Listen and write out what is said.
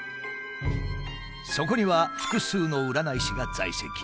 そこには複数の占い師が在籍。